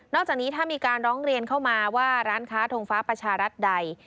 จากนี้ถ้ามีการร้องเรียนเข้ามาว่าร้านค้าทงฟ้าประชารัฐใด